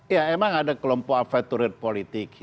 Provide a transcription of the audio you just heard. ya emang ada kelompok faturit politik